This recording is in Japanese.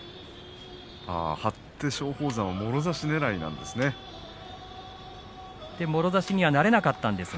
張って松鳳山もろ差しねらいなんですね。